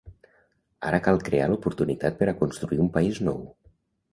Ara cal crear l’oportunitat per a construir un país nou.